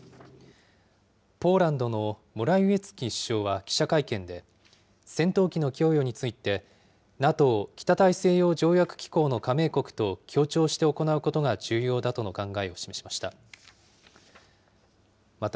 ポーランドのモラウィエツキ首相は記者会見で、戦闘機の供与について、ＮＡＴＯ・北大西洋条約機構の加盟国と協調して行うことが重要だとの考えを示しました。